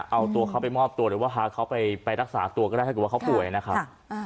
เอาตัวเขาไปมอบตัวหรือว่าพาเขาไปรักษาตัวก็ได้ถ้าเกิดว่าเขาป่วยนะครับ